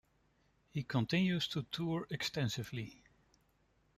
He continues to tour extensively.